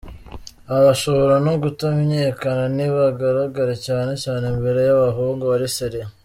Aba bashobora no kutamenyekana nibagaragare, cyane cyane imbere yabahungu bari sérieux.